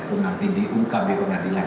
itu nanti diungkapi ke nadilan